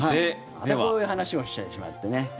またこういう話をしてしまってね。